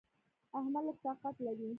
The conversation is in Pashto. احمد لږ طاقت لري.